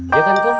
ya kan kum